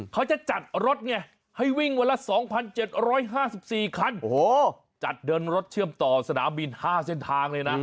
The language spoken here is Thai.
เขาจะจัดรถไงให้วิ่งวันละ๒๗๕๔คันจัดเดินรถเชื่อมต่อสนามบิน๕เส้นทางเลยนะ